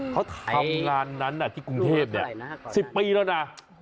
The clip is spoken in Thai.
เขาทำงานนั้นที่กรุงเทพ๑๐ปีแล้วนะ